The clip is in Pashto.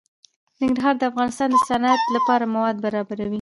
ننګرهار د افغانستان د صنعت لپاره مواد برابروي.